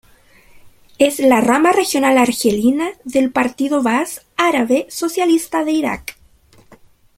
Es la rama regional argelina del Partido Baaz Árabe Socialista de Irak.